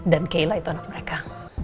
dan kayla itu anak mereka